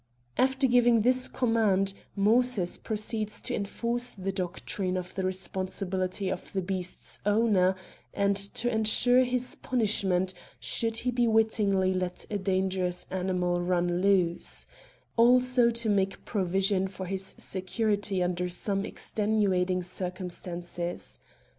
After giving this command, Moses proceeds to enforce the doctrine of the responsibility of the beast's owner, and to ensure his punishment, should he wittingly let a dangerous animal run loose ; also to make provision for his security under some extenuating circumstances.